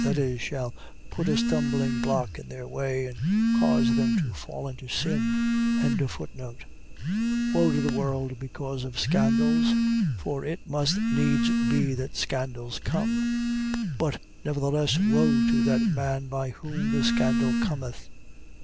. .That is, shall put a stumblingblock in their way, and cause them to fall into sin. 18:7. Woe to the world because of scandals. For it must needs be that scandals come: but nevertheless woe to that man by whom the scandal cometh.